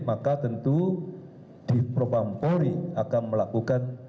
maka tentu dipropampuri akan melakukan